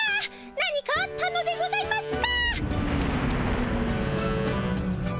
何かあったのでございますか？